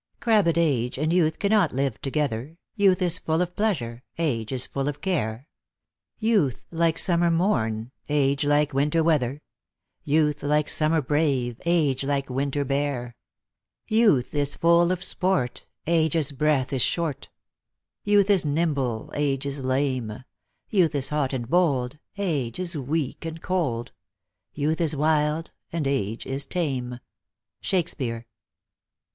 Crabbed age and youth cannot live together j Youth is full of pleasure, age is full of care; Youth like summer morn, age like winter weather ; Youth like summer brave, age like winter bare. Youth is full of sport, age s breath is short ; Youth is nimble, age is lame ; Youth is hot and bold, age is weak and cold ; Youth is wild, and age is tame. SHAKSPEARE.